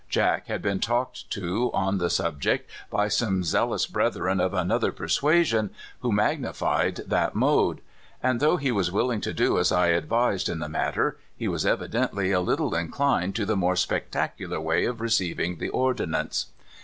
Jack had been talked to on the subject by some zealous brethren l88 CALIFORNIA SKETCHES. of another "persuasion," who magnified that mode ; and though he was willing to do as I advised in the matter, he was evidently a little inclined to the more spectacular way of receiving the ordinance.